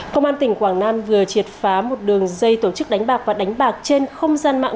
công an tỉnh quảng nam vừa triệt phá một đường dây tổ chức đánh bạc và đánh bạc trên không gian mạng